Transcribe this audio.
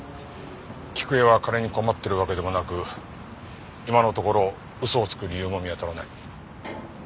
喜久恵は金に困ってるわけでもなく今のところ嘘をつく理由も見当たらない。